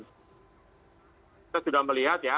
kita sudah melihat ya